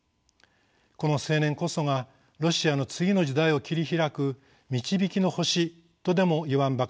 この青年こそがロシアの次の時代を切り開く導きの星とでもいわんばかりです。